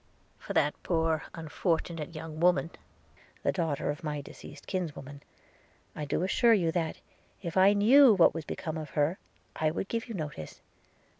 'For that poor unfortunate young woman, the daughter of my deceased kinswoman, I do assure you that, if I knew what was become of her, I would give you notice.